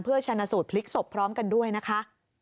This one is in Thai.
เพื่อชนะสูตรพลิกศพพร้อมกันด้วยนะคะ